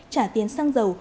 trả tiền xăng dầu